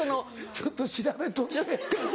ちょっと調べといて。